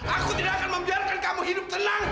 aku tidak akan membiarkan kamu hidup tenang